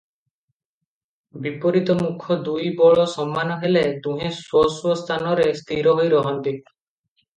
ବିପରୀତମୁଖ ଦୁଇ ବଳ ସମାନ ହେଲେ ଦୁହେଁ ସ୍ୱ ସ୍ୱ ସ୍ଥାନରେ ସ୍ଥିର ହୋଇ ରହନ୍ତି ।